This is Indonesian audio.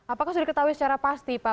apakah sudah diketahui secara pasti pak